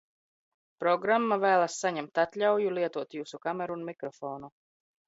Programma v?las sa?emt at?auju lietot J?su kameru un mikrofonu.